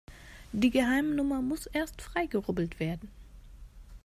Die Geheimnummer muss erst freigerubbelt werden.